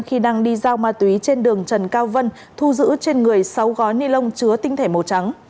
khi đang đi giao ma túy trên đường trần cao vân thu giữ trên người sáu gói ni lông chứa tinh thể màu trắng